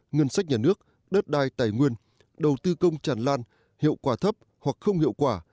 ngân sách nhà nước đất đai tài nguyên đầu tư công tràn lan hiệu quả thấp hoặc không hiệu quả